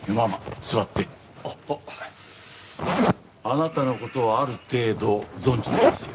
あなたの事はある程度存じてますよ。